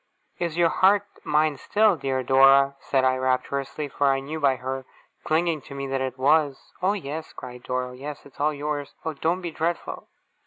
'Is your heart mine still, dear Dora?' said I, rapturously, for I knew by her clinging to me that it was. 'Oh, yes!' cried Dora. 'Oh, yes, it's all yours. Oh, don't be dreadful!